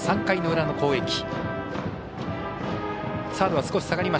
３回の裏の攻撃。